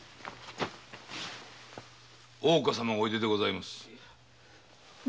大岡様がおいででございます。